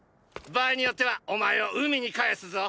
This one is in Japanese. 場合によってはお前を海に還すぞ。